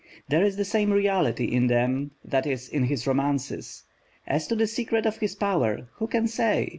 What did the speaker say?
There is the same reality in them that is in his romances. As to the secret of his power, who can say?